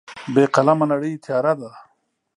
بې قلمه نړۍ تیاره ده.